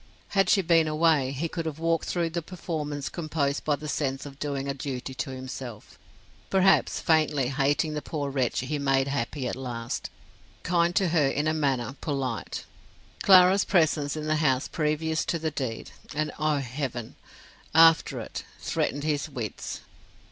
Had she been away, he could have walked through the performance composed by the sense of doing a duty to himself; perhaps faintly hating the poor wretch he made happy at last, kind to her in a manner, polite. Clara's presence in the house previous to the deed, and, oh, heaven! after it, threatened his wits.